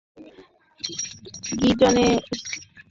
গিজনকে স্বস্তি দিয়ে প্রথমার্ধ শেষ হওয়ার আগে বেল চোট পেয়ে মাঠ ছাড়েন।